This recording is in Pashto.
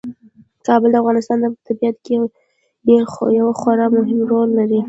کابل د افغانستان په طبیعت کې یو خورا مهم رول لري.